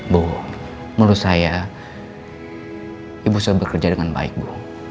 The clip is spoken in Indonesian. bu menurut saya ibu sudah bekerja dengan baik bu